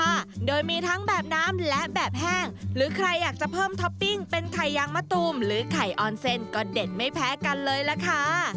ค่ะโดยมีทั้งแบบน้ำและแบบแห้งหรือใครอยากจะเพิ่มท็อปปิ้งเป็นไข่ยางมะตูมหรือไข่ออนเซนก็เด็ดไม่แพ้กันเลยล่ะค่ะ